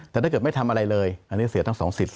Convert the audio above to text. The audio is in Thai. แต่ถ้าเกิดไม่ทำอะไรเลยอันนี้เสียตั้ง๒๐